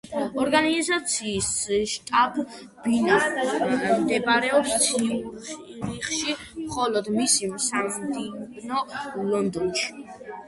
ორგანიზაციის შტაბ-ბინა მდებარეობს ციურიხში, ხოლო მისი სამდივნო ლონდონში.